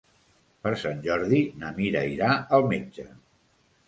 Per Sant Jordi na Mira irà al metge.